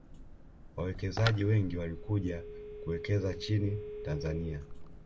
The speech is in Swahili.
wawekezaji wengi walikuja kuwekeza nchin tanzania